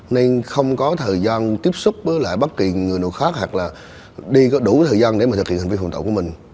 nên không có thời gian tiếp xúc với bất kỳ người nào khác hoặc là đi có đủ thời gian để thực hiện hành vi phòng tổ của mình